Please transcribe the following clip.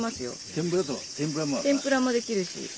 天ぷらもできるし。